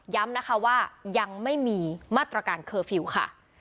นะคะว่ายังไม่มีมาตรการเคอร์ฟิลล์ค่ะ